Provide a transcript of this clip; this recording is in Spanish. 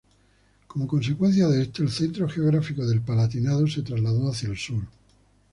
Como consecuencia de esto, el centro geográfico del Palatinado se trasladó hacia el sur.